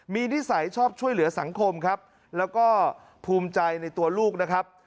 มีนิสัยชอบช่วยเหลือสังคมครับแล้วก็ภูมิใจในตัวลูกนะครับ